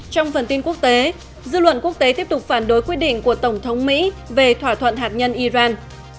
trong phần tin quốc tế dư luận quốc tế tiếp tục phản đối quyết định của tổng thống mỹ về thỏa thuận hạt nhân iran